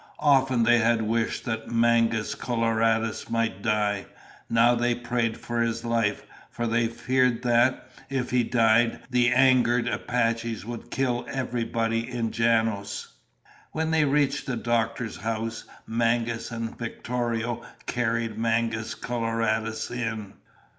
Often they had wished that Mangus Coloradus might die. Now they prayed for his life, for they feared that, if he died, the angered Apaches would kill everybody in Janos. When they reached the doctor's house, Mangas and Victorio carried Mangus Coloradus in.